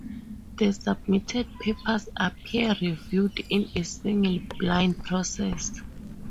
The submitted papers are peer-reviewed in a single-blind process.